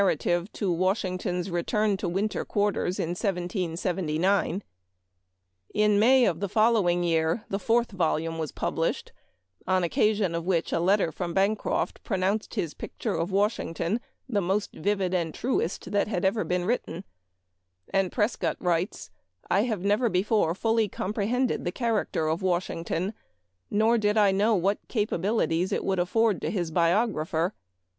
rative to Washington's return to winter quarters in 1779. In May of the following year the fourth volume was published, on occasion of which a letter from Bancroft pronounced his picture of Washington " the most vivid and truest that had ever been written ;" and Pres cott writes, " I have never before fully compre hended the character of Washington, nor did I know what capabilities it would afford to his biographer.